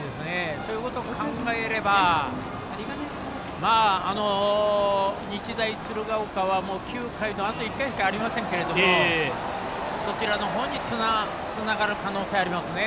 そういうことを考えれば日大鶴ヶ丘は９回のあと１回しかありませんけどもそちらの方につながる可能性ありますね。